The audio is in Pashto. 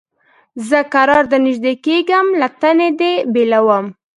زه کرار درنیژدې کېږم له تنې دي بېلومه